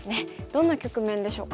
どんな局面でしょうか。